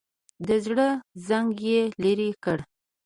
د زړه زنګ یې لرې کړ.